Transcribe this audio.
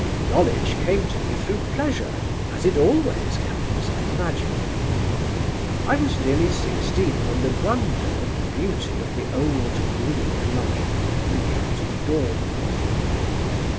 "Knowledge came to me through pleasure, as it always comes, I imagine.... "I was nearly sixteen when the wonder and beauty of the old Greek life began to dawn upon me.